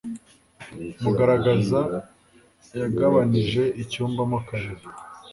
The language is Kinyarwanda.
Mugaragaza yagabanije icyumba mo kabiri.